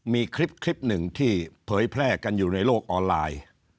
มีคลิปหนึ่งที่เผยแพร่กันอยู่ในโลกออนไลน์